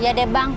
ya deh bang